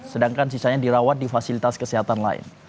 sedangkan sisanya dirawat di fasilitas kesehatan lain